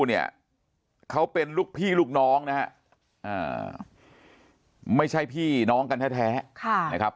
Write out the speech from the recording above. เนี่ยเขาเป็นลูกพี่ลูกน้องนะฮะไม่ใช่พี่น้องกันแท้นะครับ